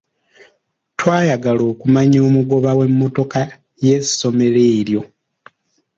Twayagala okumanya omugoba w’emmotoka ye ssomero eryo.